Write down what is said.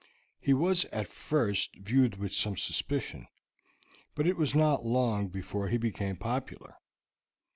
He was at first viewed with some suspicion, but it was not long before he became popular.